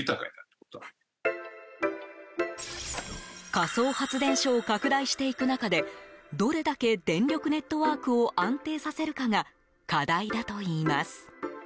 仮想発電所を拡大していく中でどれだけ電力ネットワークを安定させるかが課題です。